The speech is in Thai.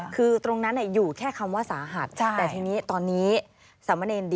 คือตรงนั้นอยู่แค่คำว่าสาหัส